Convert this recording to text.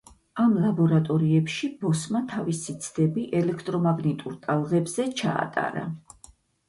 ამ ლაბორატორიებში ბოსმა თავისი ცდები ელექტრომაგნიტურ ტალღებზე ჩაატარა.